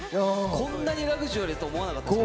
こんなにラグジュアリーだと思わなかったです。